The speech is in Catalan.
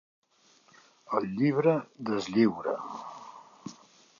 El llibre deslliura.